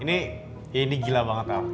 ini gila banget ya